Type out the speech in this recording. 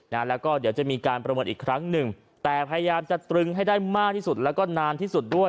นะแล้วก็เดี๋ยวจะมีการประเมินอีกครั้งหนึ่งแต่พยายามจะตรึงให้ได้มากที่สุดแล้วก็นานที่สุดด้วย